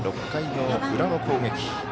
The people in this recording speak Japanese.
６回の裏の攻撃。